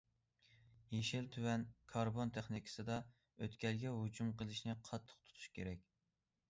يېشىل، تۆۋەن كاربون تېخنىكىسىدا ئۆتكەلگە ھۇجۇم قىلىشنى قاتتىق تۇتۇش كېرەك.